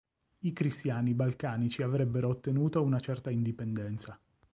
I cristiani balcanici avrebbero ottenuto una certa indipendenza.